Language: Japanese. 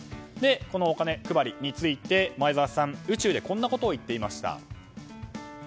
このお金配りについて前澤さん、宇宙でこんなことを言っていました。